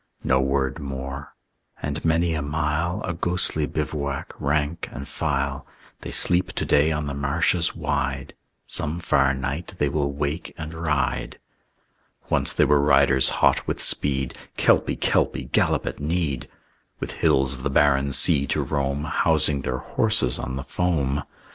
No word more. And many a mile, A ghostly bivouac rank and file, They sleep to day on the marshes wide; Some far night they will wake and ride. Once they were riders hot with speed, "Kelpie, Kelpie, gallop at need!" With hills of the barren sea to roam, Housing their horses on the foam.